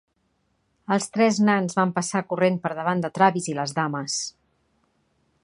Els tres nans van passar corrent per davant de Travis i les dames.